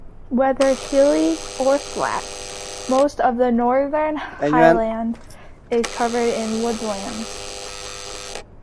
Whether hilly or flat, most of the Northern Highland is covered in woodlands.